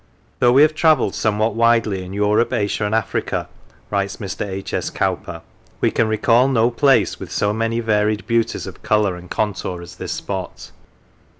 " Though we have travelled somewhat widely in Europe, Asia, and Africa," writes Mr. H. S. Cowper, " we can recall no place with so many varied beauties of colour and contour as this spot."